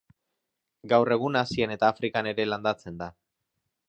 Gaur egun Asian eta Afrikan ere landatzen da.